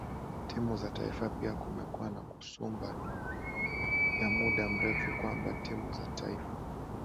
timu za taifa pia Kumekuwa na kasumba ya muda mrefu kwamba timu za taifa